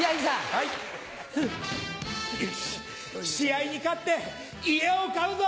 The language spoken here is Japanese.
はい。よし試合に勝って家を買うぞ。